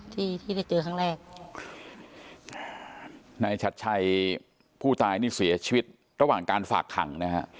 ที่ที่ได้เจอครั้งแรกนายชัดชัยผู้ตายนี่เสียชีวิตระหว่างการฝากขังนะฮะ